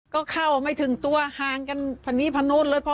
ก็เข้าไม่ถึงตัวห่างกันพนีพะนู้นเลยพ่อ